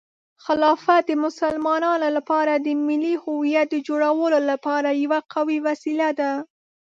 خلافت د مسلمانانو لپاره د ملي هویت د جوړولو لپاره یوه قوي وسیله ده.